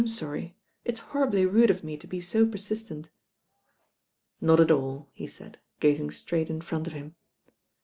orry, it'i horribly rude of me to be so persistent." "Not at all," he said, gazing straight in front of mm.